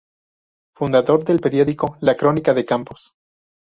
Fundador del periódico "La Crónica de Campos".